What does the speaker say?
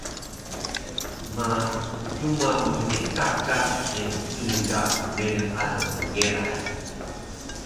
ma duma mddeka ka Yencuming ga meniq alang pngerah